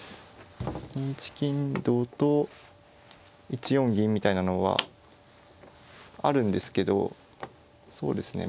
２一金同と１四銀みたいなのはあるんですけどそうですね